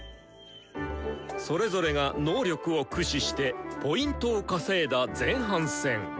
それぞれが能力を駆使してＰを稼いだ前半戦。